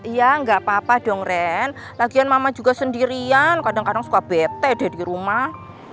ya nggak apa apa dong ren lagian mama juga sendirian kadang kadang suka bete dia di rumah